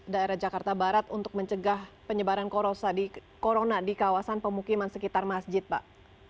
daerah jakarta barat untuk mencegah penyebaran corona di kawasan pemukiman sekitar masjid pak